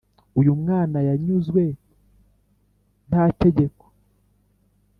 uyu mwana yanyuzwe nta tegeko.